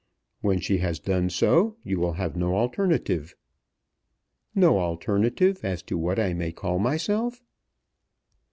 When she has done so you will have no alternative." "No alternative as to what I may call myself?"